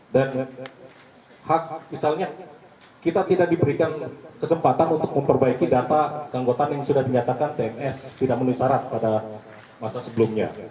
dan hak misalnya kita tidak diberikan kesempatan untuk memperbaiki data keanggotaan yang sudah dinyatakan tns tidak menisarat pada masa sebelumnya